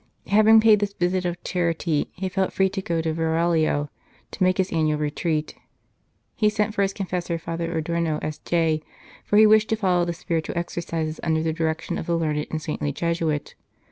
Having paid this visit of charity, he felt free to go to Varallo to make his annual retreat. He sent for his confessor, Father Adorno, S.J., for he wished to follow the spiritual exercises under the direction of the learned and saintly Jesuit.